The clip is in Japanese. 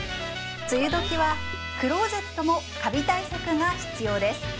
梅雨どきはクローゼットもカビ対策が必要です